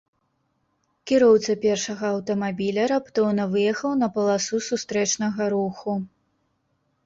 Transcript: Кіроўца першага аўтамабіля раптоўна выехаў на паласу сустрэчнага руху.